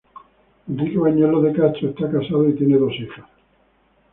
Enrique Bañuelos de Castro está casado y tiene dos hijas.